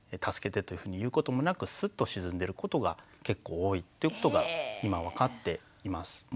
「助けて」というふうに言うこともなくスッと沈んでることが結構多いっていうことが今分かっています。